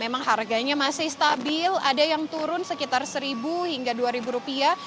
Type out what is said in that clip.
memang harganya masih stabil ada yang turun sekitar seribu hingga dua ribu rupiah